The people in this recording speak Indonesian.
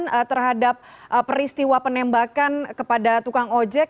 kemudian terhadap peristiwa penembakan kepada tukang ojek